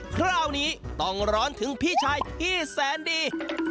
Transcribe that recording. คราวนี้ต้องร้อนถึงพี่ชายที่แสนดี